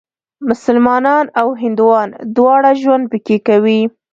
مسلمانان او هندوان دواړه ژوند پکې کوي.